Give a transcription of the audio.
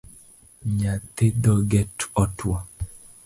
Nyathi dhoge otwo